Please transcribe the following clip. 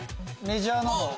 メジャー？